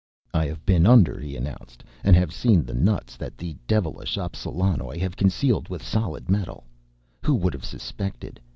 "I have been under," he announced, "and have seen the nuts that the devilish Appsalanoj have concealed within solid metal. Who would have suspected!